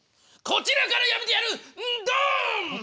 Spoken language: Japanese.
こちらからやめてやる？